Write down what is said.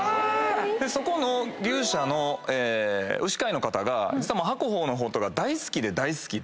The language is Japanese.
そこの牛舎の牛飼いが白鵬のことが大好きで大好きで。